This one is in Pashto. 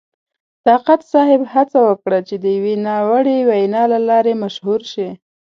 طاقت صاحب هڅه وکړه چې د یوې ناوړې وینا له لارې مشهور شي.